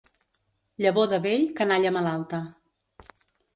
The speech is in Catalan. Llavor de vell, canalla malalta.